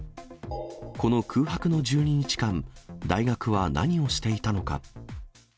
この空白の１２日間、大学は何をしていたのか。